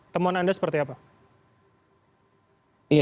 temuan anda seperti apa